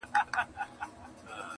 o یاره کله به سیالان سو دجهانه,